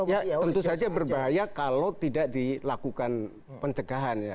ya tentu saja berbahaya kalau tidak dilakukan pencegahan ya